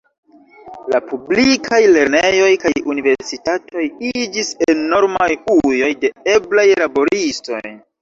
La publikaj lernejoj kaj universitatoj iĝis enormaj ujoj de eblaj laboristoj.